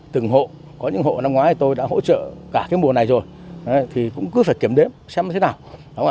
từng hộ có những hộ năm ngoái tôi đã hỗ trợ cả mùa này rồi thì cũng cứ phải kiểm đếm xem thế nào